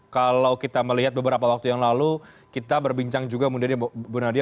kalau kita melihat beberapa waktu yang lalu kita berbincang juga bu nadia